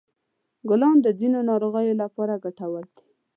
ګلان د ځینو ناروغیو لپاره ګټور دي.